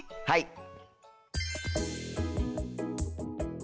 はい。